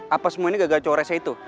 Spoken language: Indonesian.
apa semua ini gagal cowok resah itu